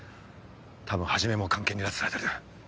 多分始も菅研に拉致されてる。